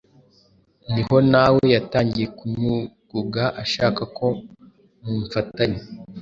niho nawe yatangiye kunyuguga ashaka ko mumfatanya,